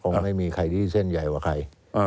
ไม่มีใครที่เส้นใหญ่กว่าใคร